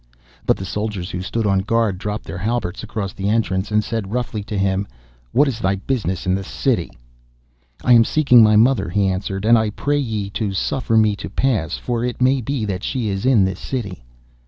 But the soldiers who stood on guard dropped their halberts across the entrance, and said roughly to him, 'What is thy business in the city?' 'I am seeking for my mother,' he answered, 'and I pray ye to suffer me to pass, for it may be that she is in this city.